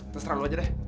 terserah lo aja deh